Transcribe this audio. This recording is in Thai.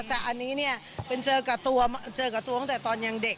แต่อันนี้เป็นเจอกับตัวตอนยังเด็ก